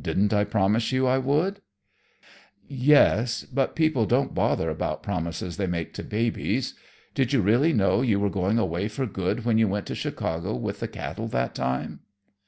"Didn't I promise you I would?" "Yes; but people don't bother about promises they make to babies. Did you really know you were going away for good when you went to Chicago with the cattle that time?"